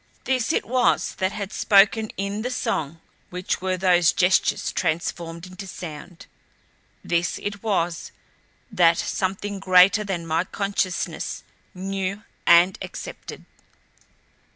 This it was that had spoken in the song which were those gestures transformed into sound. This it was that something greater than my consciousness knew and accepted.